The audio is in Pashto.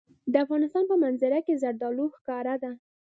د افغانستان په منظره کې زردالو ښکاره ده.